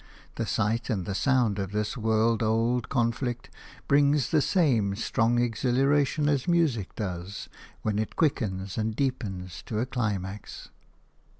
The sight and the sound of this world old conflict brings the same strong exhilaration as music does, when it quickens and deepens to a climax.